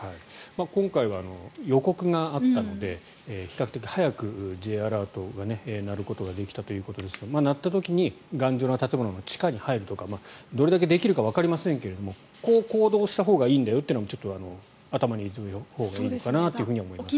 今回は予告があったので比較的早くＪアラートが鳴ることができたということですが鳴った時に頑丈な建物の地下に入るとかどれだけできるかわかりませんけれどもこう行動したほうがいいんだよというのを頭に入れておいたほうがいいのかなと思いますね。